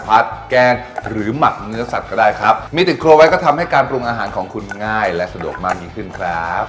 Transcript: พร้อมยิ่งขึ้นครับ